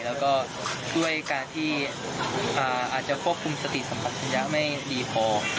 แล้วก็ด้วยการที่อาจจะควบคุมสติสัมปัชญะไม่ดีพอ